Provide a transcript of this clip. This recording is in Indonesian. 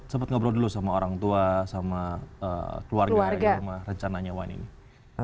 sempat ngobrol dulu sama orang tua sama keluarga rencananya wan ini